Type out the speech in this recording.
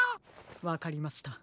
わかりました。